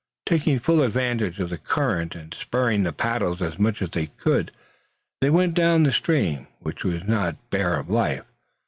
Taking full advantage of the current, and sparing the paddles as much as they could, they went down the stream, which was not bare of life.